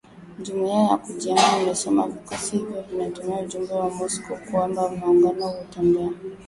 Jumuiya ya Kujihami imesema vikosi hivyo vinatuma ujumbe kwa Moscow kwamba muungano huo utatetea kila nchi ya eneo lake.